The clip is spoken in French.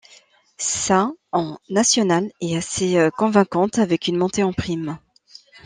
Sa en National est assez convaincante avec une montée en prime.